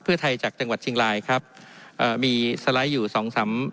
เพื่อไทยจากจังหวัดเชียงรายครับเอ่อมีสไลด์อยู่สองสาม